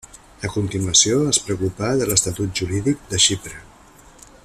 A continuació es preocupà de l'estatut jurídic de Xipre.